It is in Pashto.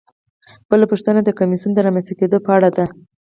بله پوښتنه د کمیسیون د رامنځته کیدو په اړه ده.